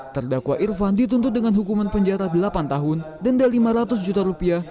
terdakwa irfan dituntut dengan hukuman penjara delapan tahun denda lima ratus juta rupiah